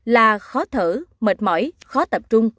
là khó thở mệt mỏi khó tập trung